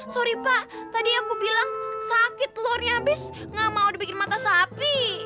sorry pak tadi aku bilang sakit telurnya habis gak mau dibikin mata sapi